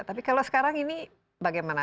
tapi kalau sekarang ini bagaimana